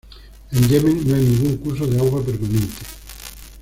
En Yemen no hay ningún curso de agua permanente.